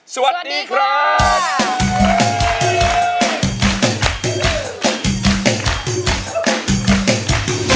สวัสดีครับ